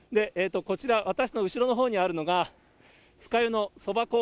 こちら、私の後ろのほうにあるのが、酸ヶ湯のそば